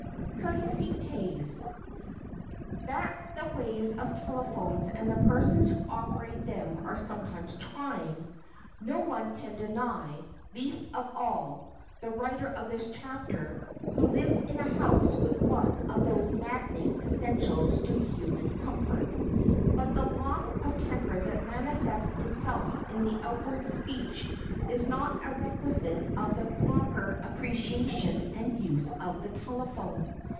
[Sidenote: COURTESY PAYS] That the ways of telephones and the persons who operate them are sometimes trying, no one can deny,—least of all, the writer of this chapter, who lives in a house with one of these maddening essentials to human comfort. But the loss of temper that manifests itself in the outward speech is not a requisite of the proper appreciation and use of the telephone.